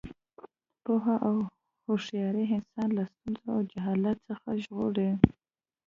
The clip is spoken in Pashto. پوهه او هوښیاري انسان له ستونزو او جهالت څخه ژغوري.